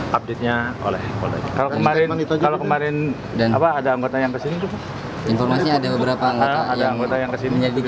kalau kemarin ada anggota yang kesini